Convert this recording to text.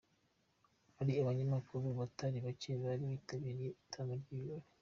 Hari abanyamakuru batari bake bari bitabiriye itangwa ry'ibi birori.